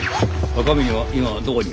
赤峰は今どこに？